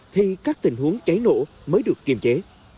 thì các tình huống cháy nổ mới được kiềm chế